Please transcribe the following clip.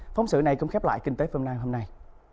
phóng sự này cũng khép lại kinh tế phim chín hôm nay